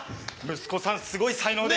息子さんすごい才能で。